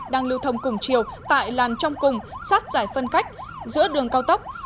đang lưu thông cùng chiều tại làn trong cùng sát giải phân cách giữa đường cao tốc